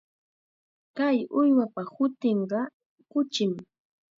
Kay uywapa hutinqa kuchim.